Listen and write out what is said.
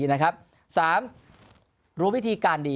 ๓รู้วิธีการดี